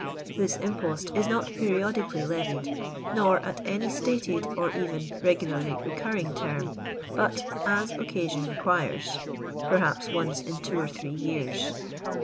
This impost is not periodically levied, nor at any stated or even regularly recurring term, but " as occasion requires :" perhaps once in two or three years.